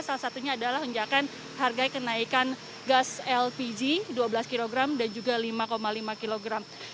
salah satunya adalah unjakan harga kenaikan gas lpg dua belas kg dan juga lima lima kilogram